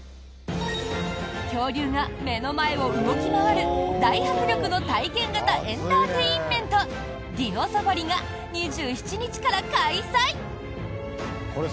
恐竜が目の前を動き回る大迫力の体験型エンターテインメントディノサファリが２７日から開催！